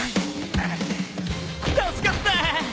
助かった！